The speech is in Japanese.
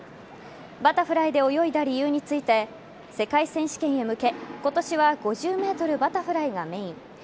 バタフライで泳いだ理由について世界選手権へ向け今年は５０ｍバタフライがメイン。